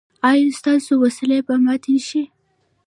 ایا ستاسو وسلې به ماتې شي؟